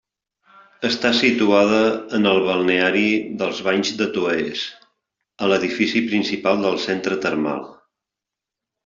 Està situada en el balneari dels Banys de Toès, a l'edifici principal del centre termal.